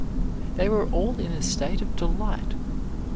they were all in a state of delight.